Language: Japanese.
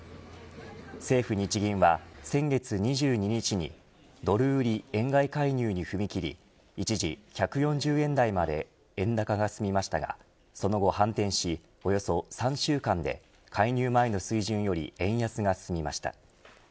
政府・日銀は先月２２日にドル売り円買い介入に踏み切り一時１４０円台まで円高が進みましたがその後、反転しおよそ３週間で介入前の水準より円安が進みました。